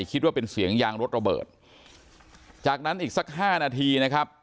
คิดว่าเป็นเสียงยางรถระเบิดจากนั้นอีกสักห้านาทีนะครับ